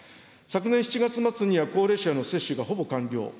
昨年７月末には高齢者への接種がほぼ完了。